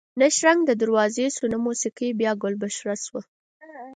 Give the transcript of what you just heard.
نه شرنګ د دروازې شو نه موسکۍ بیا ګل بشره شوه